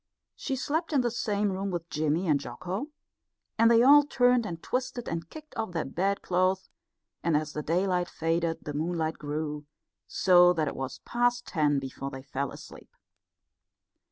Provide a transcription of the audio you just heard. She slept in the same room with Jimmy and Jocko, and they all turned and twisted and kicked off their bedclothes; and as the daylight faded the moonlight grew, so that it was past ten before they fell asleep.